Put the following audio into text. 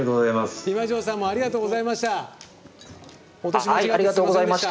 今城さんもありがとうございました。